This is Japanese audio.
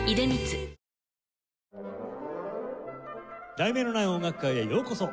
『題名のない音楽会』へようこそ。